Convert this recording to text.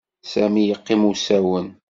Sami yeqqim usawen.